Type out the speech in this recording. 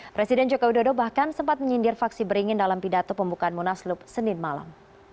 presiden jokowi dodo bahkan sempat menyindir faksi beringin dalam pidato pembukaan munaslup senin malam